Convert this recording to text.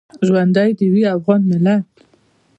ژوندی دې وي افغان ملت